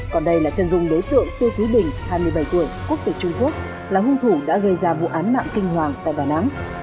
còn đây là chân dung đối tượng tư quý bình hai mươi bảy tuổi quốc tịch trung quốc là hung thủ đã gây ra vụ án mạng kinh hoàng tại đà nẵng